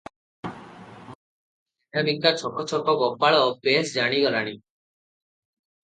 ମାଲ କିଣା ବିକା ଛକ ଛକ ଗୋପାଳ ବେଶ ଜାଣିଗଲାଣି ।